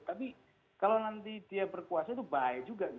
tapi kalau nanti dia berkuasa itu bahaya juga